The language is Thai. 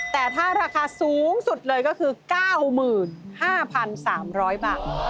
แต่ถ้าราคาสูงสุดเลยก็คือ๙๕๓๐๐บาท